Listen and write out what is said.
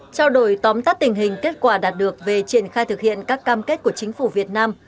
trao đổi tóm tắt tình hình kết quả đạt được về triển khai thực hiện các cam kết của chính phủ việt nam